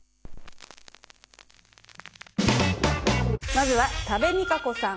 まずは多部未華子さん